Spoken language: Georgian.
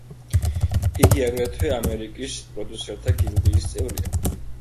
იგი, აგრეთვე ამერიკის პროდიუსერთა გილდიის წევრია.